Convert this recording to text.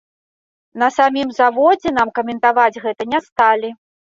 На самім заводзе нам каментаваць гэта не сталі.